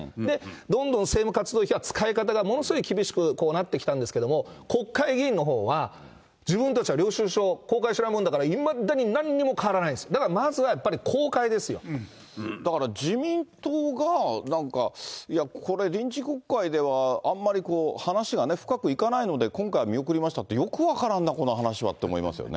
どんどん政務活動費は使い方がものすごい厳しくなってきたんですけど、国会議員のほうは、自分たちは領収書公開しないもんだから、いまだになんにも変わらないですよ、だからまずはやっぱり、公開だから自民党が、なんかいや、これ臨時国会ではあんまりこう、話がね、深くいかないので、今回は見送りましたって、よく分からんな、この話はって思いますよね。